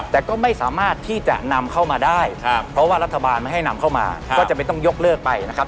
แต่ก็ไม่สามารถที่จะนำเข้ามาได้เพราะว่ารัฐบาลไม่ให้นำเข้ามาก็จะไม่ต้องยกเลิกไปนะครับ